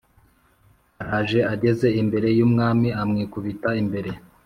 araje Ageze imbere y umwami amwikubita imbere